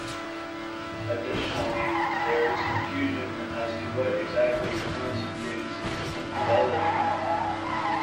Additionally, there is confusion as to what exactly constitutes infidelity.